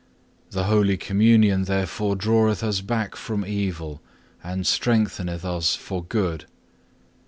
The Holy Communion therefore draweth us back from evil, and strengtheneth us for good.